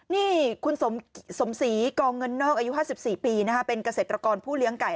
นี่คุณสมศรีกองเงินนอกอายุ๕๔ปีเป็นเกษตรกรผู้เลี้ยงไก่